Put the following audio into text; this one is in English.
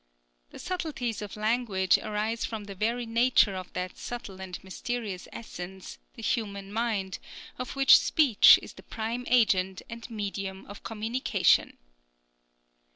The subtleties of language arise from the very nature of that subtle and mysterious essence, the human mind, of which speech is the prime agent and medium of communication.